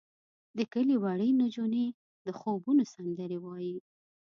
د کلي وړې نجونې د خوبونو سندرې وایې.